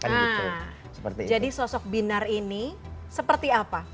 nah jadi sosok binar ini seperti apa